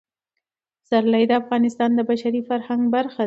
پسرلی د افغانستان د بشري فرهنګ برخه ده.